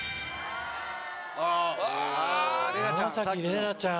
玲奈ちゃん